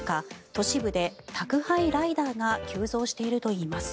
都市部で宅配ライダーが急増しているといいます。